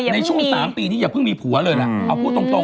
ในช่วง๓ปีนี้อย่าเพิ่งมีผัวเลยล่ะเอาพูดตรง